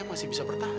masih bisa bertahan